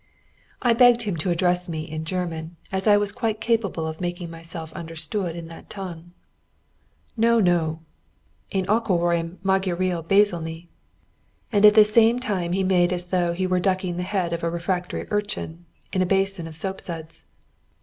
I begged him to address me in German, as I was quite capable of making myself understood in that tongue. "No! no! En akarom magyariul beszélni" and at the same time he made as though he were ducking the head of a refractory urchin in a basin of soapsuds.